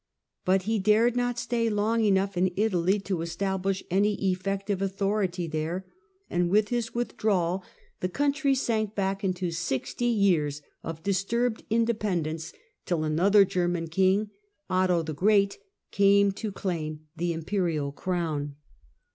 But he dared not stay long enough in Italy to establish any effective authority there, and with his withdrawal the THE BREAK UP OF THE CARoLINGIAN EMPIRE 219 country sank back into sixty years of disturbed in dependence, till another German king, Otho the Great, came to claim the Imperial crown.